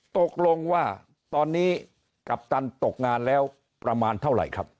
ตกลงว่าตอนนี้กัปตันตกงานแล้วประมาณเท่าไหร่ครับ